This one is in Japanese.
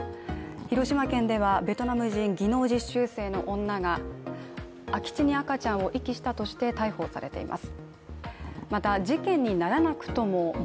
広島県ではベトナム人技能実習生の女が空き地に赤ちゃんを遺棄したとして逮捕されています。